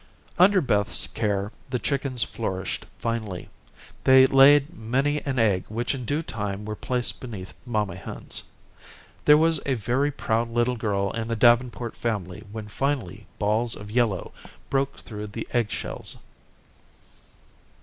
Under Beth's care, the chickens flourished finely. They laid many an egg which in due time were placed beneath mamma hens. There was a very proud little girl in the Davenport family when finally balls of yellow broke through the egg shells.